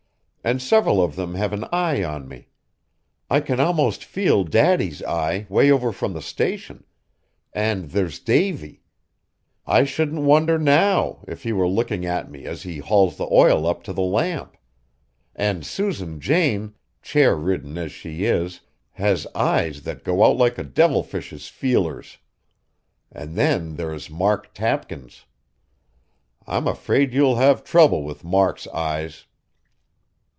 And several of them have an eye on me. I can almost feel Daddy's eye way over from the Station; and there's Davy! I shouldn't wonder now, if he were looking at me as he hauls the oil up to the lamp; and Susan Jane, chair ridden as she is, has eyes that go out like a devilfish's feelers; and then there is Mark Tapkins! I'm afraid you'll have trouble with Mark's eyes!"